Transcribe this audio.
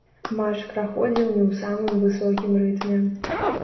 Матч праходзіў не ў самым высокім рытме.